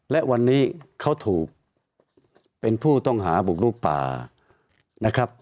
และวันนี้เขาถูกเป็นผู้ต้องหาบุกลุกป่านะครับ